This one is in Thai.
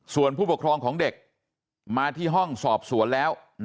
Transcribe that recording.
ส่วนผู้ปกครองของเด็กมาที่ห้องสอบสวนแล้ว